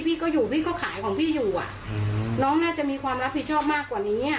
พี่ก็อยู่พี่ก็ขายของพี่อยู่อ่ะน้องน่าจะมีความรับผิดชอบมากกว่านี้อ่ะ